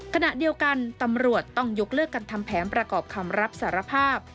ขณะเดียวกันตำรวจต้องยกเลิกกันทำแผนประกอบคำรับสารภาพ